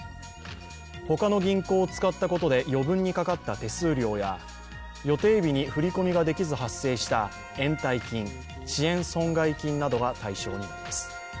他の銀行を使ったことで余分にかかった手数料や予定日に振り込みができず発生した延滞金・遅延損害金などが対象になります。